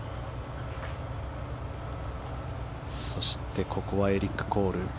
そしてここはエリック・コール。